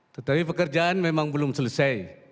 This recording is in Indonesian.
tetapi pekerjaan memang belum selesai